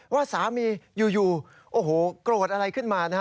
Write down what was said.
ว่าสามีอยู่โอ้โหโกรธอะไรขึ้นมานะฮะ